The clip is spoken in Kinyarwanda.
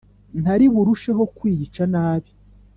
Ntari burusheho kwiyica nabi